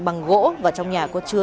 bằng gỗ và trong nhà có chứa